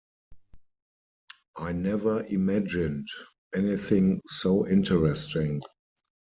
I never imagined anything so interesting.